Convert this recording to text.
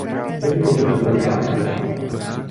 Kdy vypukl ten požár?